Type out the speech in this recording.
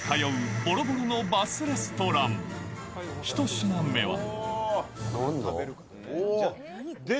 １品目は。